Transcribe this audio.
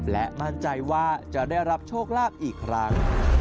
และมั่นใจว่าจะได้รับโชคลาภอีกครั้ง